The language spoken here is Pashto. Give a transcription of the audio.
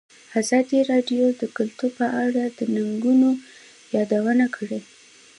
ازادي راډیو د کلتور په اړه د ننګونو یادونه کړې.